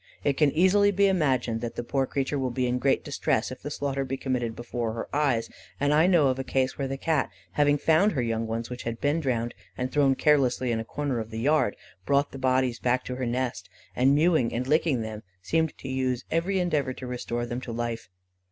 It can easily be imagined that the poor creature will be in great distress if the slaughter be committed before her eyes; and I know of a case where the Cat having found her young ones which had been drowned and thrown carelessly in the corner of a yard, brought the bodies back to her nest, and mewing and licking them, seemed to use every endeavour to restore them to life.